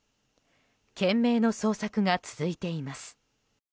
懸命の捜索が続いています。